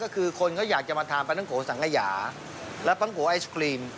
คนก็อยากมาทานปังโกสังหยาและปังโกไอศครีม